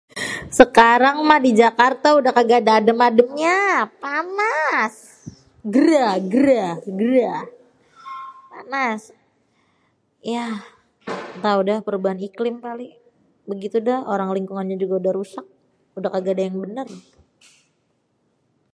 Sekarang mah dijakarta udêh kaga adê adem-ademnyê... panas, gerah gerah gerah...panas yah gatau dêh perubahan iklim kali begitu dêh orang lingkungannyê juga udah rusak udèh kaga adê yang benêr.